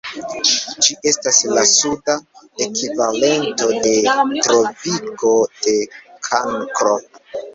Ĝi estas la suda ekvivalento de tropiko de Kankro.